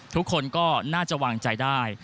ทุกคนก็น่าจะวางใจได้